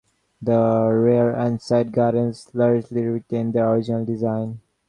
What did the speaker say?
The rear and side gardens largely retain their original design.